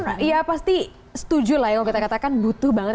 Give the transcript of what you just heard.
tapi gini kita sebagai perempuan ya pasti setuju lah kalau kita katakan butuh banget